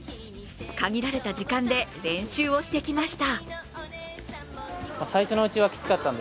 限られた時間で練習をしてきました。